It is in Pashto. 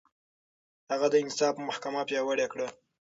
هغه د انصاف محکمه پياوړې کړه.